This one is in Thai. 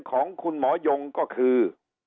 ของคุณหมอยงก็คือ